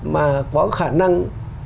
mà có khả năng